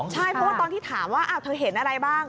ใช่เพราะว่าตอนที่ถามว่าเธอเห็นอะไรบ้าง